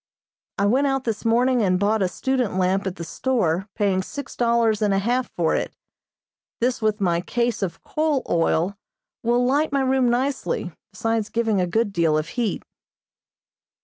I went out this morning and bought a student lamp at the store, paying six dollars and a half for it. This, with my case of coal oil, will light my room nicely, besides giving a good deal of heat.